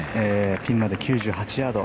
ピンまで９８ヤード。